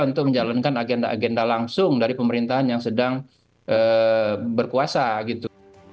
untuk menjalankan agenda agenda langsung dari pemerintahan yang sedang berkuasa gitu